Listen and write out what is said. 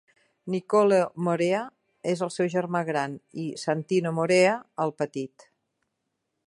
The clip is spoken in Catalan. Nicolo Morea és el seu germà gran i Santino Morea el petit.